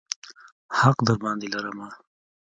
حق درباندې لرمه.